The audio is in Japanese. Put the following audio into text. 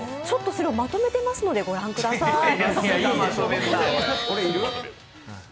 ちょっとそれをまとめていますので御覧ください。